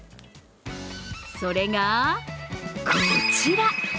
それが、こちら。